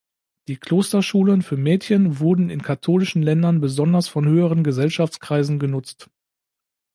Die Klosterschulen für Mädchen wurden in katholischen Ländern besonders von höheren Gesellschaftskreisen genutzt.